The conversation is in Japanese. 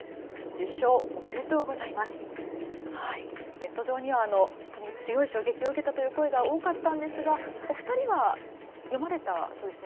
ネット上には強い衝撃を受けたという声、多かったんですがお二人は読まれたそうですね。